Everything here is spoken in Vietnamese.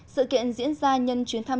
sự kiện diễn ra nhân chuyến thắng